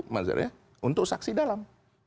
maksudnya untuk saksi dalam